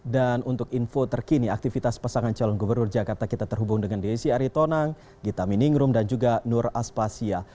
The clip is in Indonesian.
dan untuk info terkini aktivitas pasangan calon gubernur jakarta kita terhubung dengan desi aritonang gita miningrum dan juga nur aspasia